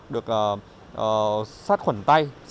được sát khuẩn tay